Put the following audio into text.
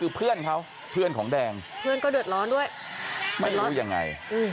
เสดงเพื่อนเขาเป็นของแดงเพื่อนก็เดี๋ยวดร้อนด้วยไม่รู้อย่างไง